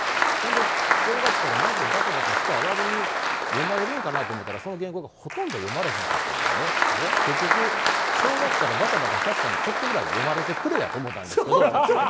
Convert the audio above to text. それで、正月からものすごいバタバタした割に読まれるんかなと思ったらその原稿をほとんど読まれなかったので結局正月からバタバタさせたんでちょっとは読まれてくれやと思ったんですけど。